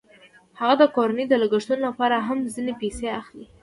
هغه د کورنۍ د لګښتونو لپاره هم ځینې پیسې اخلي